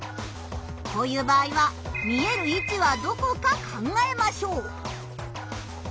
こういう場合は見える位置はどこか考えましょう。